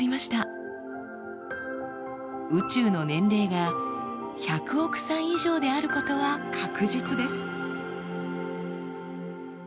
宇宙の年齢が１００億歳以上であることは確実です。